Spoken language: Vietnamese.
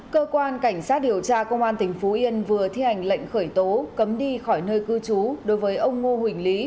cơ quan cảnh sát điều tra công an tỉnh phú yên vừa thi hành lệnh khởi tố cấm đi khỏi nơi cư trú đối với ông ngô huỳnh lý